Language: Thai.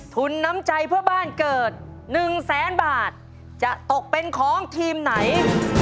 ทุนน้ำใจเพื่อบ้านเกิด๑แสนบาทจะตกเป็นของทีมไหน